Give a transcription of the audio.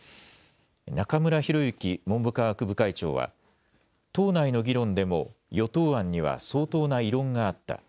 中村裕之文部科学部会長は党内の議論でも与党案には相当な異論があった。